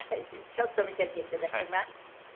ちょっと見せていただきます。